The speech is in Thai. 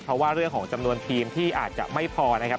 เพราะว่าเรื่องของจำนวนทีมที่อาจจะไม่พอนะครับ